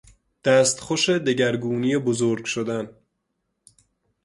دستخوش دگرگونی بزرگ شدن